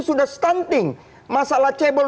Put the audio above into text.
sudah stunting masalah cebol